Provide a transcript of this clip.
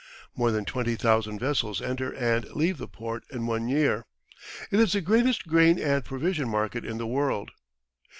More than twenty thousand vessels enter and leave the port in one year. It is the greatest grain and provision market in the world.